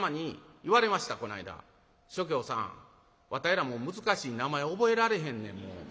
「松喬さんわたいら難しい名前覚えられへんねんもう。